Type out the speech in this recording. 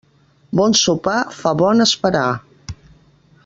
Bon sopar fa bon esperar.